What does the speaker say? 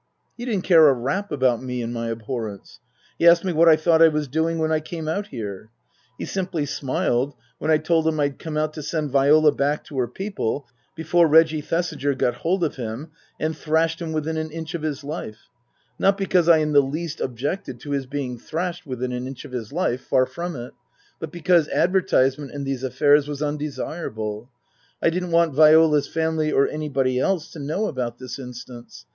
He didn't care a rap about me and my abhorrence. He asked me what I thought I was doing when I came out here ? He simply smiled when I told him I'd come out to send Viola back to her people before Reggie Thesiger got hold of him and thrashed him within an inch of his life, not because I in the least objected to his being thrashed within an inch of his life far from it but because ad vertisement in these affairs was undesirable. I didn't want Viola's family or anybody else to know about this instance.